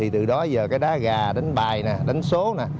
từ đó đá gà đánh bài đánh số